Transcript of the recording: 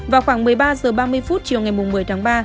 vào khoảng một mươi ba h ba mươi chiều ngày một mươi tháng ba